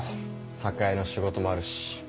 酒屋の仕事もあるし。